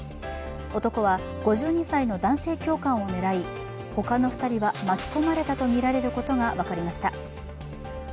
男は５２歳の男性教官を狙い他の２人は巻き込まれたとみられることが分かりました。